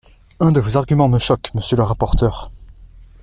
Un de vos arguments me choque, monsieur le rapporteur.